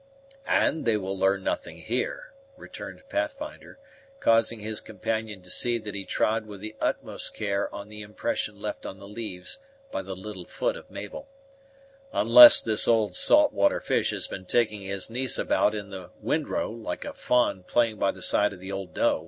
"And they will learn nothing here," returned Pathfinder, causing his companion to see that he trod with the utmost care on the impression left on the leaves by the little foot of Mabel; "unless this old salt water fish has been taking his niece about in the wind row, like a fa'n playing by the side of the old doe."